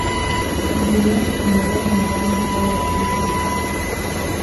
Considérase o fundador da moderna escola de arabistas hispánicos.